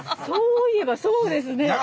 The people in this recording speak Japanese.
「そういえばそうですね」